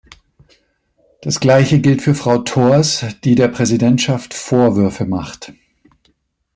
Das Gleiche gilt für Frau Thors, die der Präsidentschaft Vorwürfe macht.